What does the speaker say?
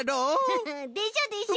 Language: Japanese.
フフでしょでしょ？